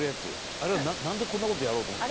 あれはなんでこんな事やろうと思った？